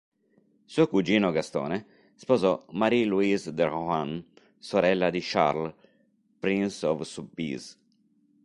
Suo cugino Gastone sposò Marie Louise de Rohan, sorella di Charles, Prince of Soubise.